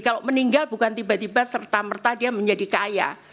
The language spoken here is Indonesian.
kalau meninggal bukan tiba tiba serta merta dia menjadi kaya